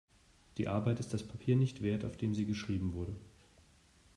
Die Arbeit ist das Papier nicht wert, auf dem sie geschrieben wurde.